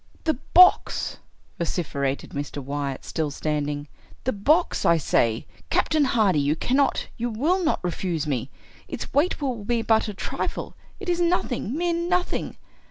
" The box! " vociferated Mr. Wyatt, still standing —" the box, I say ! Captain Hardy, you cannot, you will not refuse me. Its weight will be but a trifle — it is nothing — mere nothing.